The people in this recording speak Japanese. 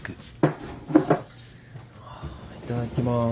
いただきます。